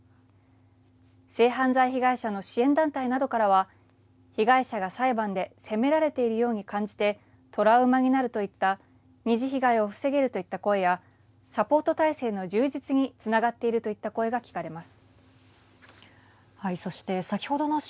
性犯罪被害者の支援団体などからは被害者が裁判で責められているように感じてトラウマになるといった２次被害を防げるといった声やサポート体制の充実につながっているといった声が聞かれます。